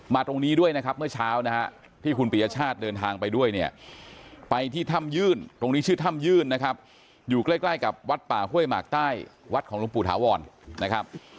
ตรงนี้ด้วยนะครับเมื่อเช้านะฮะที่คุณปียชาติเดินทางไปด้วยเนี่ยไปที่ถ้ำยื่นตรงนี้ชื่อถ้ำยื่นนะครับอยู่ใกล้ใกล้กับวัดป่าห้วยหมากใต้วัดของหลวงปู่ถาวรนะครับ